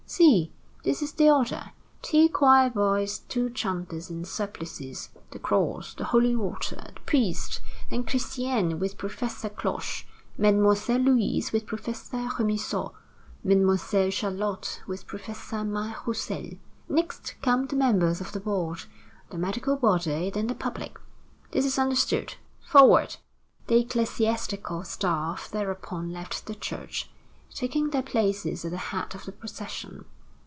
See, this is the order: two choir boys, two chanters in surplices, the cross, the holy water, the priest, then Christiane with Professor Cloche, Mademoiselle Louise with Professor Remusot, and Mademoiselle Charlotte with Professor Mas Roussel. Next come the members of the Board, the medical body, then the public. This is understood. Forward!" The ecclesiastical staff thereupon left the church, taking their places at the head of the procession.